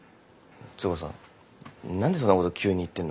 つうかさ何でそんなこと急に言ってんの？